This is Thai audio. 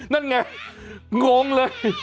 นั่นไงงเลย